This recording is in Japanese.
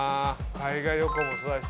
海外旅行もそうだし。